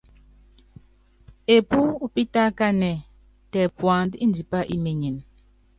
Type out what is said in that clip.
Epú upítákanɛ́, tɛ puanda ndipá imenyen.